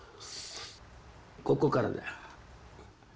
ここからだよ。